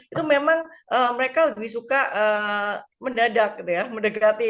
itu memang mereka lebih suka mendadak mendekati